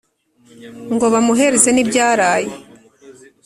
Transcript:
Ngo bamuhereze nibyaraye